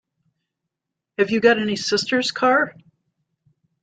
Have you got any sisters, Carr?